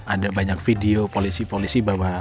ada banyak video polisi polisi bahwa